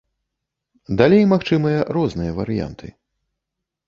Далей магчымыя розныя варыянты.